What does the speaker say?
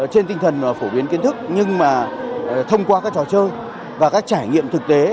trên tinh thần phổ biến kiến thức nhưng mà thông qua các trò chơi và các trải nghiệm thực tế